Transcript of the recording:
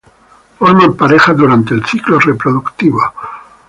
Forman parejas durante el ciclo reproductivo.